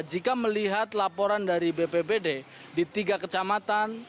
jika melihat laporan dari bpbd di tiga kecamatan